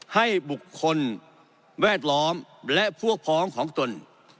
ให้บุคคลแวดล้อมและพวกพ้องของตน